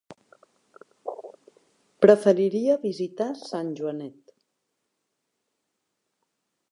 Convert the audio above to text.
Preferiria visitar Sant Joanet.